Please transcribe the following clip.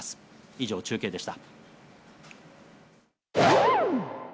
以上、中継でした。